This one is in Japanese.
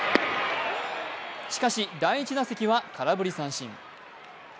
しかし第１打席は空振り三振。